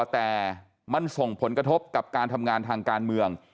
แต่มันส่งผลกระทบกับการทำงานทางการเมือง